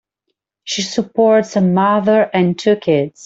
She supports a mother and two kids.